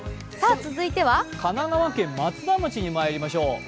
神奈川県松田町にまいりましょう。